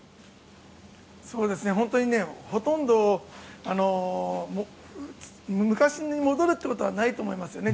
本当にほとんど昔に戻るということはないと思いますね。